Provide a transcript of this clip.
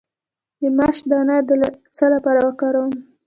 د ماش دانه د څه لپاره وکاروم؟